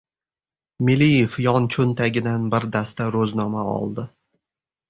Meliyev yon cho‘ntagidan bir dasta ro‘znoma oldi.